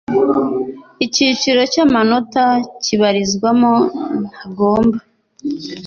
icyiciro cy amanota kibarizwamo ntagomba